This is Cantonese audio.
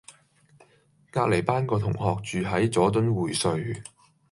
隔離班個同學住喺佐敦匯萃